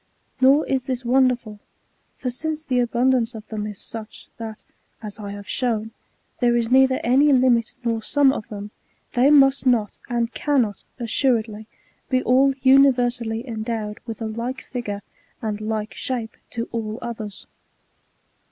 Nor is this wonderful ; for since the abund ance of them is such, that, as I have shown, there is neither any limit nor sum of them, they must not, and cannot, assured ly, be all universally endowed with a like figure and like shape to all others.